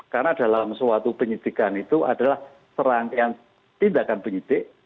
karena dalam suatu penyitikan itu adalah serantian tindakan penyitik